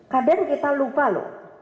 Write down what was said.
kadang kita lupa loh